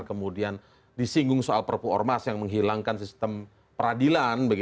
kemudian disinggung soal perpu ormas yang menghilangkan sistem peradilan